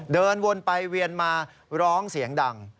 เดินวนไปเวียนมาร้องเสียงดัง